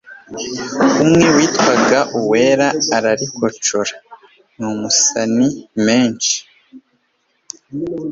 Umwe witwaga Uwera ararikocora n'amasoni menshi